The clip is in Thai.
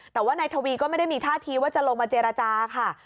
แต่ว่านายทวีก็ไม่ได้มีท่าทีว่าจะลงมาเจรจาค่ะ